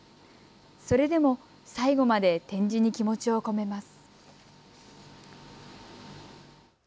それでも最後まで展示に気持ちを込めます。